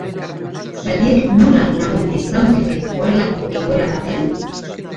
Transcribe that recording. Zaldiek nola lagun diezagukete horrelako egoera batean?